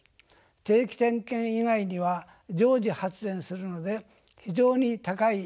定期点検以外には常時発電するので非常に高い利用率となっています。